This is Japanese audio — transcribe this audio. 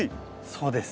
そうです。